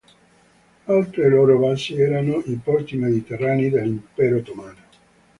Altre loro basi erano i porti mediterranei dell'impero ottomano.